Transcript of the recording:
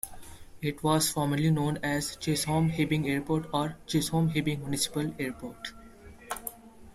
It was formerly known as Chisholm-Hibbing Airport or Chisholm-Hibbing Municipal Airport.